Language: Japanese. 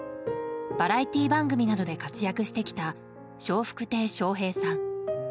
バラエティー番組などで活躍してきた笑福亭笑瓶さん。